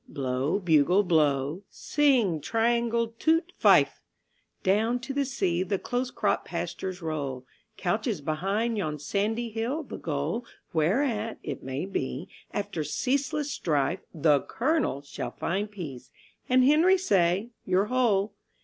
(Blow, bugle, blow; sing, triangle; toot, fife!) Down to the sea the close cropped pastures roll, Couches behind yon sandy hill the goal Whereat, it may be, after ceaseless strife The "Colonel" shall find peace, and Henry say, "Your hole"